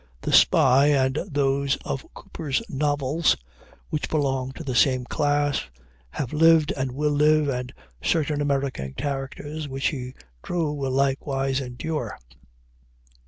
The Spy, and those of Cooper's novels which belong to the same class, have lived and will live, and certain American characters which he drew will likewise endure.